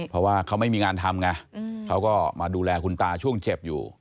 เพราะว่าเขาไม่มีงานทำไงเขาก็มาดูแลคุณตาช่วงเจ็บอยู่